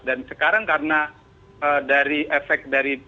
dan sekarang karena dari efek dari